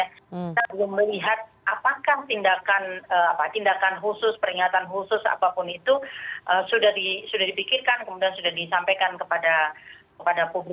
kita belum melihat apakah tindakan khusus peringatan khusus apapun itu sudah dipikirkan kemudian sudah disampaikan kepada publik